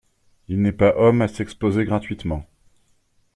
Il n'est pas homme à s'exposer gratuitement.